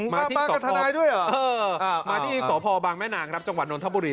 มาที่สตมาที่สตบางแม่นางจังหวัดนทบุรี